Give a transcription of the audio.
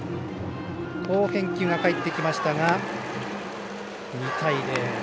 好返球が返ってきましたが２対０。